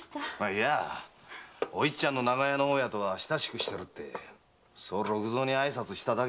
いやおいっちゃんの長屋の大家とは親しくしてるってそう六造に挨拶しただけのことです。